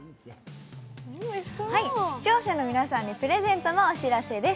視聴者の皆さんにプレゼントのお知らせです